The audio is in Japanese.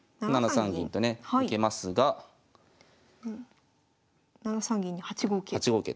７三銀とね受けますが７三銀に８五桂。